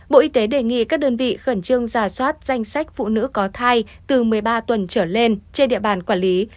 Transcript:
bộ y tế đề nghị các đơn vị khẩn trương giả soát danh sách phụ nữ có thai từ một mươi ba tuần trở lên trên địa bàn quản lý